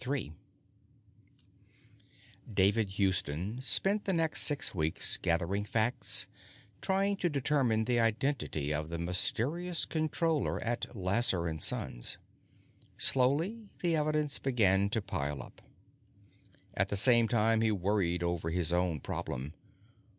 David Houston spent the next six weeks gathering facts, trying to determine the identity of the mysterious Controller at Lasser & Sons. Slowly, the evidence began to pile up. At the same time, he worried over his own problem.